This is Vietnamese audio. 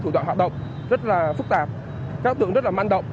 của loại hoạt động rất là phức tạp các tượng rất là manh động